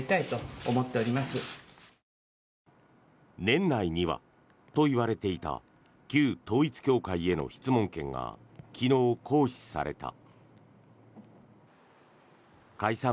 年内にはといわれていた旧統一教会への質問権が昨日、行使された。